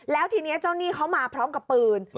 แล้วทีนี้เจ้าหนี้เขามาพร้อมกับปืน